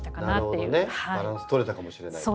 バランス取れたかもしれないと。